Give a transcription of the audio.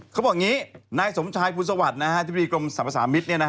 เขาบอกอย่างนี้นายสมชายพูดสวัสดิ์ที่บิดีกรมสัมภาษามิตร